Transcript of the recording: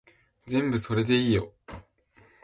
全部それでいいよ